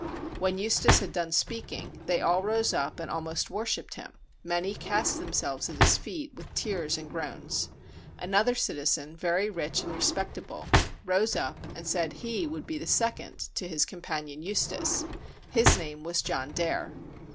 When Eustace had done speaking, they all rose up and almost worshiped him: many cast themselves at his feet with tears and groans. Another citizen, very rich and respect able, rose up and said he would be the second to his 182 QUEEN PHILIPPA SAVES THE BURGHERS companion Eustace; his name was John Daire.